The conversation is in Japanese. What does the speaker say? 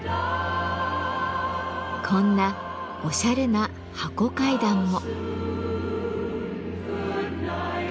こんなおしゃれな「箱階段」も。